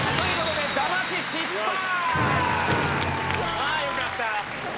あよかった。